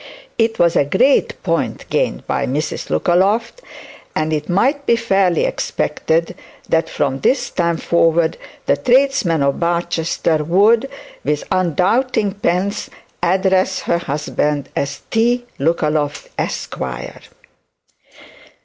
It was a great point gained by Mrs Lookaloft, and it might be fairly expected that from this time forward the tradesmen of Barchester would, with undoubting pens, address her husband and T. Lookaloft, Esquire.